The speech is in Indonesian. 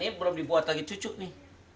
ini belum dibuat lagi cucu nih